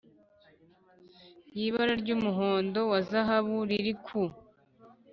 Y’ibara ry’umuhondo wa zahabu riri ku